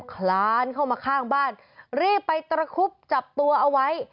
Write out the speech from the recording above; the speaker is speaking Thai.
คลานเข้ามาข้างบ้านรีบไปตระคุบจับตัวเอาไว้